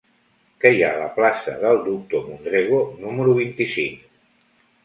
Què hi ha a la plaça del Doctor Modrego número vint-i-cinc?